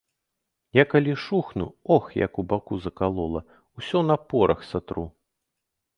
Я калі шухну, ох, як у баку закалола, усё на порах сатру.